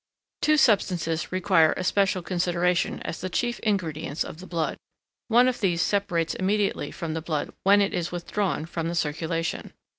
Two substances require especial consideration as the chief ingredients of the blood; one of these separates immediately from the blood when it is withdrawn from the circulation.